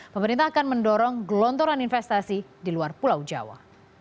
pemerintah akan mendorong gelontoran investasi di luar pulau jawa